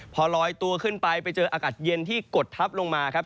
พอลอยตัวขึ้นไปไปเจออากาศเย็นที่กดทับลงมาครับ